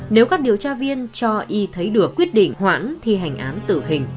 nếu các điều tra viên cho y thấy được quyết định hoãn thì hành án tự hình